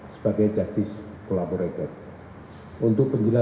sebab amelia sudah tambah juga